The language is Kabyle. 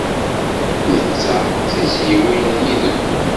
Netta d tizzyiwin yid-m.